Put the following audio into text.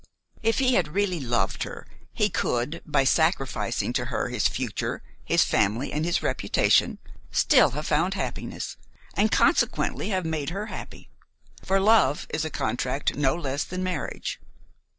If he had really loved her, he could, by sacrificing to her his future, his family and his reputation, still have found happiness, and, consequently, have made her happy; for love is a contract no less than marriage.